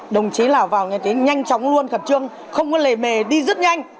đồng chí nào vào như thế nhanh chóng luôn khẩn trương không có lề mề đi rất nhanh